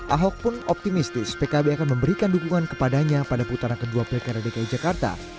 ahok pun optimistis pkb akan memberikan dukungan kepadanya pada putaran kedua pilkada dki jakarta